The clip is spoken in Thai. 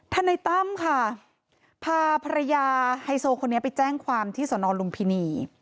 นายตั้มค่ะพาภรรยาไฮโซคนนี้ไปแจ้งความที่สนลุมพินี